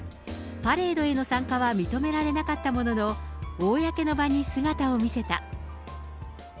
パレードへの参加は認められなかったものの、公の場に姿を見せた。